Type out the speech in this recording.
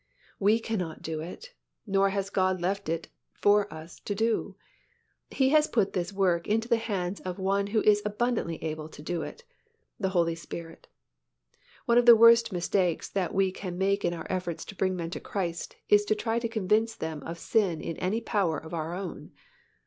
We cannot do it, nor has God left it for us to do. He has put this work into the hands of One who is abundantly able to do it, the Holy Spirit. One of the worst mistakes that we can make in our efforts to bring men to Christ is to try to convince them of sin in any power of our own.